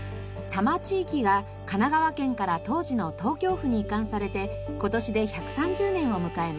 多摩地域が神奈川県から当時の東京府に移管されて今年で１３０年を迎えます。